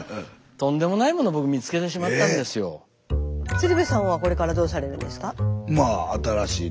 鶴瓶さんはこれからどうされるんですか？